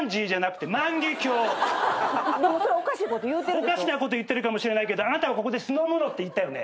おかしなこと言ってるかもしれないけどあなたはここで酢の物って言ったよね？